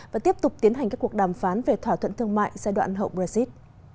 và tiếp tục tiến hành các cuộc đàm phán về thỏa thuận thương mại giai đoạn hậu brexit